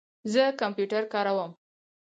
زه کمپیوټر کاروم